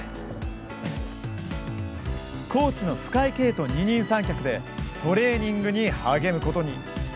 コーチの深井京と二人三脚でトレーニングに励むことに。